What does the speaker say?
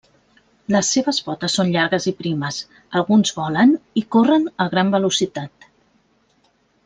Les seves potes són llargues i primes, alguns volen i corren a gran velocitat.